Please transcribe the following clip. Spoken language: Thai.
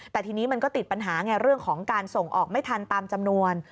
แต่ทีนี้มันก็ติดปัญหาไงเรื่องของการส่งออกไม่ทันตามจำนวน